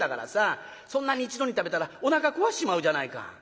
そんなに一度に食べたらおなか壊しちまうじゃないか」。